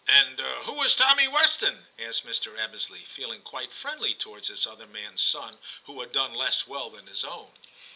And who is Tommy Weston ?' asked Mr. Ebbesley, feeling quite friendly towards this other man's son who had done less well than his own.